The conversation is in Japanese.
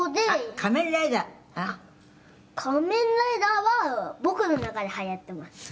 「仮面ライダーは僕の中ではやってます」